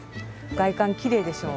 外観きれいでしょう。